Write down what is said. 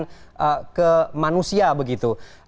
untuk menyemprotkan ke manusia begitu